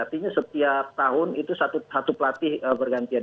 artinya setiap tahun itu satu pelatih bergantian